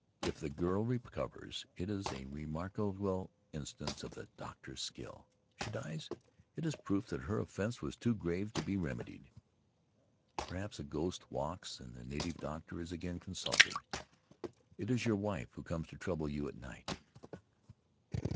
If the girl recovers it is a remarkable instance of the doctor's skill; if she dies it is proof that her offense was too grave to be remedied. Perhaps a ghost walks and the native doctor is again consulted. 'It is your wife who comes to trouble you at night?